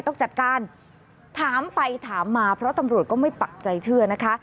ต้องจัดการถามไปถามมาเพราะตำรวจก็ไม่ปักใจเชื่อนะคะ